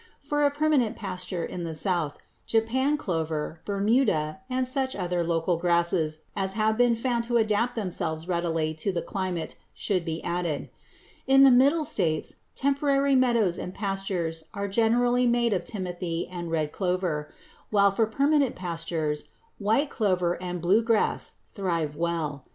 For a permanent pasture in the South, Japan clover, Bermuda, and such other local grasses as have been found to adapt themselves readily to the climate should be added. In the Middle States temporary meadows and pastures are generally made of timothy and red clover, while for permanent pastures white clover and blue grass thrive well.